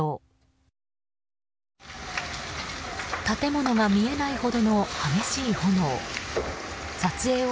建物が見えないほどの激しい炎。